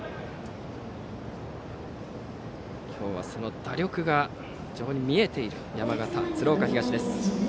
今日はその打力が非常に見えている山形・鶴岡東。